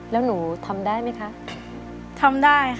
รู้จัก